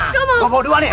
kau mau dua nih